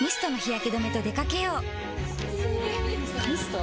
ミスト？